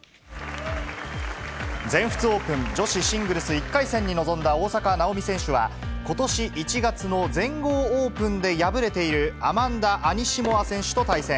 全仏オープン女子シングルス１回戦に臨んだ大坂なおみ選手は、ことし１月の全豪オープンで敗れている、アマンダ・アニシモワ選手と対戦。